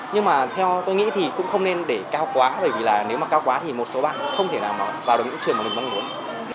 nhưng mà theo tôi nghĩ thì cũng không nên để cao quá bởi vì là nếu mà cao quá thì một số bạn cũng không thể nào vào được những trường